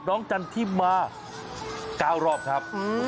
จันทิมา๙รอบครับ